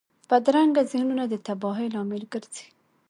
بدرنګه ذهنونه د تباهۍ لامل ګرځي